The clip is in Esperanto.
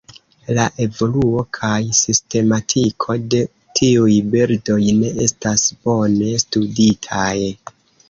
La evoluo kaj sistematiko de tiuj birdoj ne estas bone studitaj.